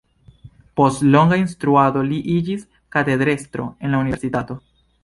Post longa instruado li iĝis katedrestro en la universitato.